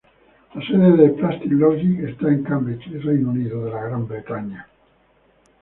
La sede de Plastic Logic está en Cambridge, Reino Unido.